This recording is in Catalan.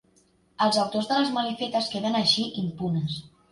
Els autors de les malifetes queden així impunes.